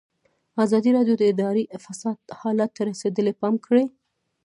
ازادي راډیو د اداري فساد حالت ته رسېدلي پام کړی.